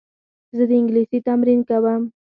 زه د انګلیسي تمرین کوم.